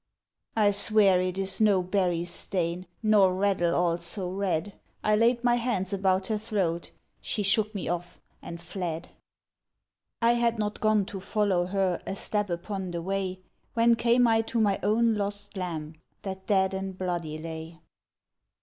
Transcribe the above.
' I swear it is no berries' stain, Nor raddle all so red' ; I laid my hands about her throat, She shook me otf, and fled. I had not gone to follow her A step upon the way, When came I to my own lost lamb, That dead and bloody lay.